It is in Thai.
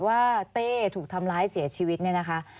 เต้ถูกทำร้ายเสียชีวิตเนี่ยนะคะ